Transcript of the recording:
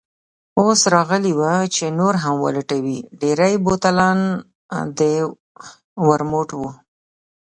اوس راغلې وه چې نور هم ولټوي، ډېری بوتلان د ورموت وو.